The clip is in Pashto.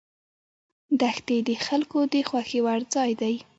دښتې د خلکو د خوښې وړ ځای دی.